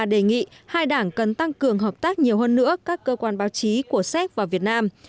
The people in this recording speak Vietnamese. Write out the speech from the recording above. đề nghị hai đảng cần tăng cường hợp tác nhiều hơn nữa các cơ quan báo chí của séc và việt nam